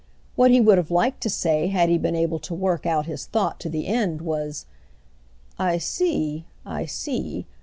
What he would have liked to say had he been able to work out his thought to the end was: "I see, I see.